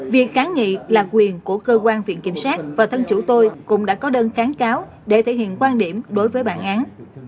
việc kháng nghị là quyền của cơ quan viện kiểm sát và thân chủ tôi cũng đã có đơn kháng cáo để thể hiện quan điểm đối với bản án